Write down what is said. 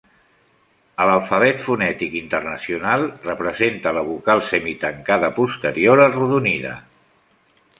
A l'alfabet fonètic internacional representa la vocal semitancada posterior arrodonida.